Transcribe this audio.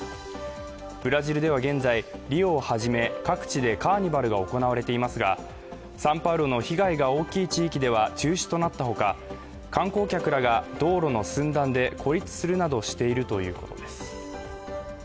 ブラジルでは現在、リオをはじめ各地でカーニバルが行われていますがサンパウロの被害が大きい地域では中止となったほか、観光客らが、道路の寸断で孤立するなどしているということです。